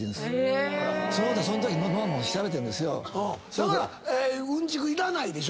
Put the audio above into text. だからうんちくいらないでしょ。